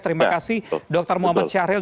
terima kasih dr muhammad syahril